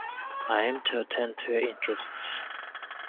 I am to attend to your interests.